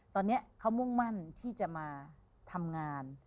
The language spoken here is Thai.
ตอนนี้เขามุ่งมั่นที่จะมาทำงาน